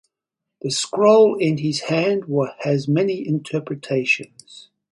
The scroll in his hand has many interpretations.